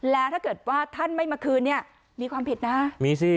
แล้วถ้าเกิดว่าท่านไม่มาคืนเนี่ยมีความผิดนะมีสิ